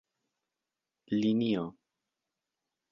linio